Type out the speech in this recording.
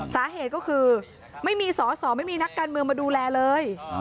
สาเหตุก็คือไม่มีสอสอไม่มีนักการเมืองมาดูแลเลย